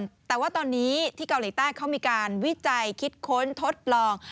แต่ว่าตอนนี้ที่เกาหลีใต้เขามีการวิจัยคิดค้นทดลอง